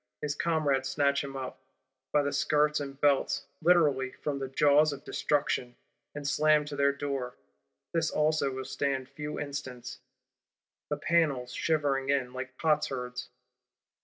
His comrades snatch him up, by the skirts and belts; literally, from the jaws of Destruction; and slam to their Door. This also will stand few instants; the panels shivering in, like potsherds.